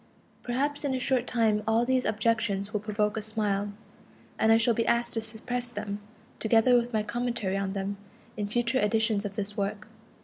Perhaps in a short time all these objections will provoke a smile, and I shall be asked to suppress them, together with my commentary on them, in future editions of this work.